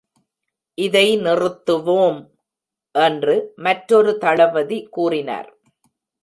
"இதை நிறுத்துவோம்" என்று மற்றொரு தளபதி கூறினார்.